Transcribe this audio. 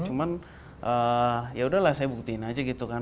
cuma ya udahlah saya buktiin aja gitu kan